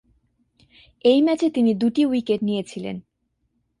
এই ম্যাচে তিনি দুটি উইকেট নিয়েছিলেন।